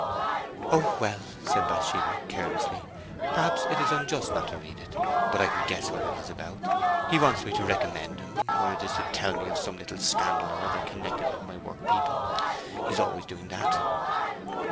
"Oh, well," said Bathsheba, carelessly, "perhaps it is unjust not to read it; but I can guess what it is about. He wants me to recommend him, or it is to tell me of some little scandal or another connected with my work people. He's always doing that."